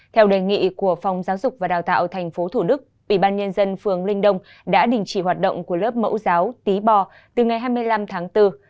theo đề nghị của phòng giáo dục và đào tạo tp thủ đức ủy ban nhân dân phường linh đông đã đình chỉ hoạt động của lớp mẫu giáo tí bò từ ngày hai mươi năm tháng bốn